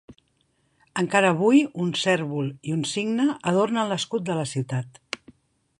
Encara avui, un cérvol i un cigne adornen l'escut de la ciutat.